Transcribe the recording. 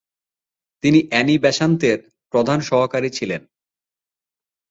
তিনি অ্যানি বেসান্তের প্রধান সহকারী ছিলেন।